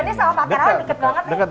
hubungannya sama pak terawan deket banget ya